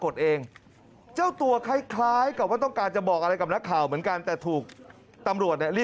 ดาบธรรมวจวิสุทธิ์